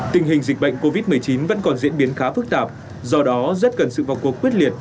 tình hình dịch bệnh covid một mươi chín vẫn còn diễn biến khá phức tạp do đó rất cần sự vào cuộc quyết liệt